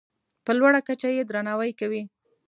په لوړه کچه یې درناوی کوي.